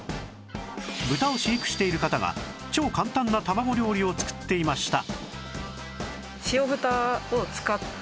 豚を飼育している方が超簡単な卵料理を作っていました